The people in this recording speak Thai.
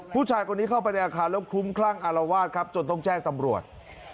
ผู้ชายคนนี้เข้าไปในอาคารแล้วคลุ้มคลั่งอารวาสครับจนต้องแจ้งตำรวจ